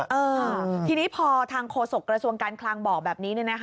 เออทีนี้พอทางโฆษกระทรวงการคลังบอกแบบนี้